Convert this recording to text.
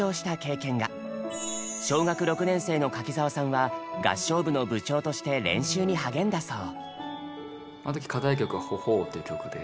小学６年生の柿澤さんは合唱部の部長として練習に励んだそう。